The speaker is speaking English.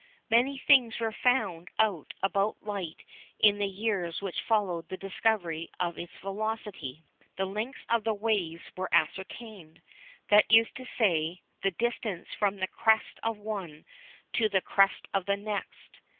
Many things were found out about light in the years which followed the discovery of its velocity. The lengths of the waves were ascertained that is to say, the distance from the crest of one to the crest of the next.